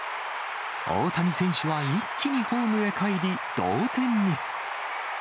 大谷選手は一気にホームへかえり、同点に。